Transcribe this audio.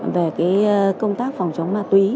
về công tác phòng chống ma túy